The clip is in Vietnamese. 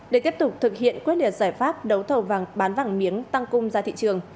để tiếp tục thực hiện quyết liệt giải pháp đấu thầu vàng bán vàng miếng tăng cung ra thị trường